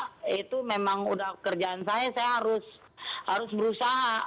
kalau mau pak itu memang udah kerjaan saya saya harus harus berusaha